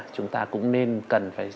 chúng ta cũng nên cần phải